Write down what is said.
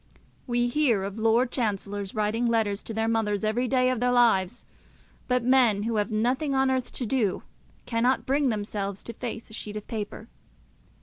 We hear of Lord Chancellors writing letters to their mothers every day of their lives; but men who have nothing on earth to do cannot bring themselves to face a sheet of paper.